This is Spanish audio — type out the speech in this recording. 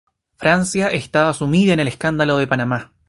Francia estaba sumida en el escándalo de Panamá.